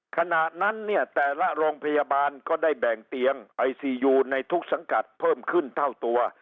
ขณะนั้นเนี่ยแต่ละโรงพยาบาลก็ได้แบ่งเตียงไอซียูในทุกสังกัดเพิ่มขึ้นเท่าตัว